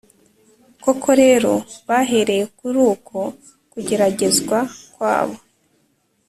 Koko rero, bahereye kuri uko kugeragezwa kwabo,